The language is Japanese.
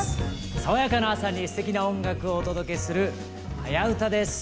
爽やかな朝にすてきな音楽をお届けする「はやウタ」です。